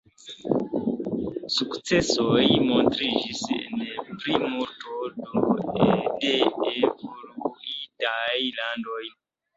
Sukcesoj montriĝis en la plimulto de evoluintaj landoj.